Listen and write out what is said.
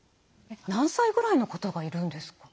何歳ぐらいの方がいるんですか？